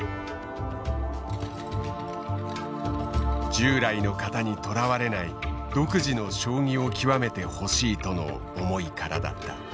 従来の型にとらわれない独自の将棋を極めてほしいとの思いからだった。